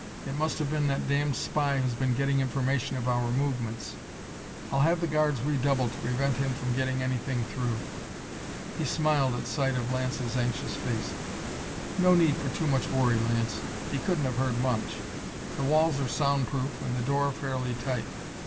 "It must have been that damned spy who's been getting information of our movements. I'll have the guards redoubled to prevent him from getting anything through." He smiled at sight of Lance's anxious face. "No need for too much worry, Lance! He couldn't have heard much the walls are sound proof and the door fairly tight.